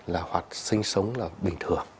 là hoặc sinh sống là bình thường